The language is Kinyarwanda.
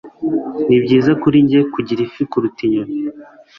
Nibyiza kuri njye kugira ifi kuruta inyoni.